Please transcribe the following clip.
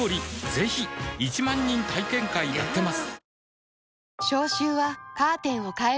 ぜひ１万人体験会やってますはぁ。